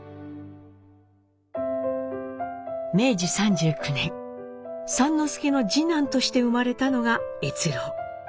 明治３９年之助の二男として生まれたのが越郎。